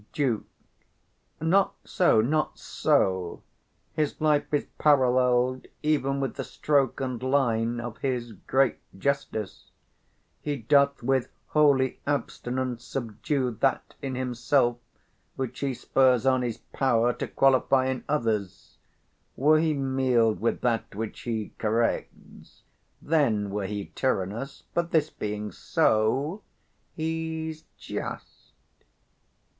Duke. Not so, not so; his life is parallel'd 75 Even with the stroke and line of his great justice: He doth with holy abstinence subdue That in himself which he spurs on his power To qualify in others: were he meal'd with that Which he corrects, then were he tyrannous; 80 But this being so, he's just.